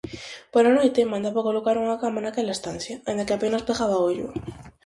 Pola noite, mandaba colocar unha cama naquela estancia, aínda que apenas pegaba ollo.